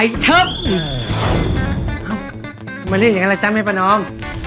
ไอเทิมมาเรียกอย่างนั้นแหละจ๊ะแม่ประนอม